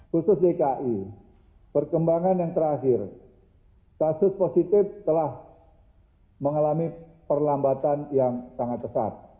khusus dki perkembangan yang terakhir kasus positif telah mengalami perlambatan yang sangat pesat